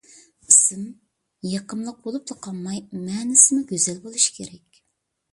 ئىسىم يېقىملىق بولۇپلا قالماي، مەنىسىمۇ گۈزەل بولۇشى كېرەك.